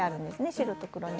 白と黒で。